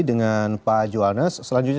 dengan pak johannes selanjutnya